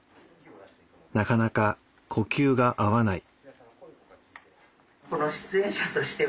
なかなか呼吸が合わない。